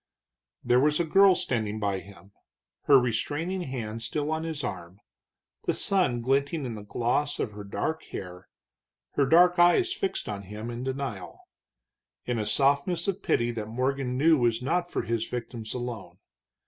There was a girl standing by him, her restraining hand still on his arm, the sun glinting in the gloss of her dark hair, her dark eyes fixed on him in denial, in a softness of pity that Morgan knew was not for his victims alone.